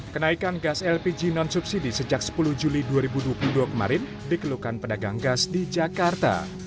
kenaikan gas lpg non subsidi sejak sepuluh juli dua ribu dua puluh dua kemarin dikeluhkan pedagang gas di jakarta